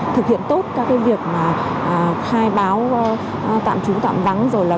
thực hiện tốt các việc khai báo tạm trú tạm vắng